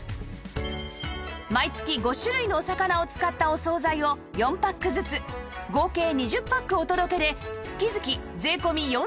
毎月５種類のお魚を使ったお惣菜を４パックずつ合計２０パックお届けで月々税込４９８０円です